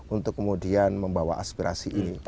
untuk kemudian membawa aspirasi ini